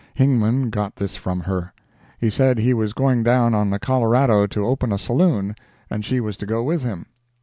Hingman got this from her. He said he was going down on the Colorado to open a Saloon, and she was to go with him.